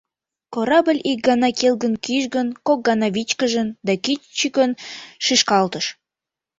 Корабль ик гана келгын кӱжгын, кок гана вичкыжын да кӱчыкын шӱшкалтыш.